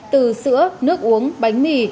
từ sữa nước uống bánh mì